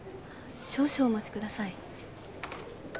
少々お待ちください。